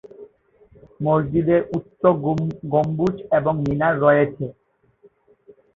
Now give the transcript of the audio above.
মসজিদে উচ্চ গম্বুজ এবং মিনার রয়েছে।